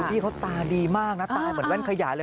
พี่เขาตาดีมากนะตายเหมือนแว่นขยายเลย